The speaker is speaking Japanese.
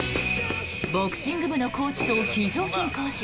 ボクシング部のコーチと非常勤講師。